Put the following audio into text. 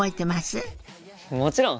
もちろん！